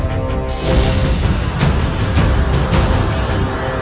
mas rasha tunggu